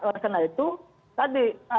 warasana itu tadi